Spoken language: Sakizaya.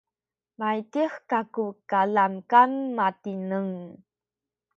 maydih kaku kalamkam matineng